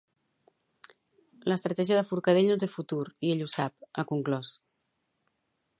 L'estratègia de Forcadell no té futur, i ell ho sap, ha conclòs.